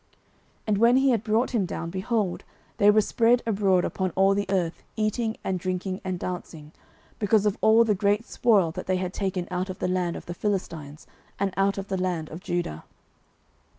09:030:016 And when he had brought him down, behold, they were spread abroad upon all the earth, eating and drinking, and dancing, because of all the great spoil that they had taken out of the land of the Philistines, and out of the land of Judah.